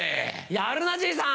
やるなじいさん。